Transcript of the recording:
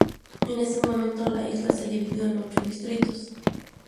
En ese momento la isla se dividió en ocho distritos.